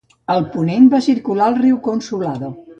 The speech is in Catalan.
Al ponent va circular el riu Consulado.